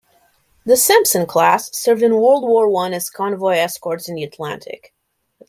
The "Sampson" class served in World War One as convoy escorts in the Atlantic.